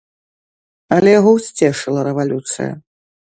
Але яго ўсцешыла рэвалюцыя.